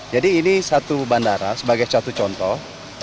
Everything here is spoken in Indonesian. jadi ini satu bandara sebagai contoh